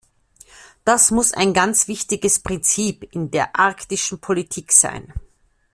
Das muss ein ganz wichtiges Prinzip in der arktischen Politik sein.